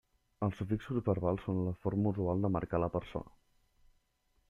Els sufixos verbals són la forma usual de marcar la persona.